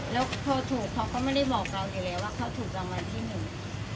แล้วพอถูกเขาก็ไม่ได้บอกเราอยู่แล้วว่าเขาถูกรางวัลที่หนึ่ง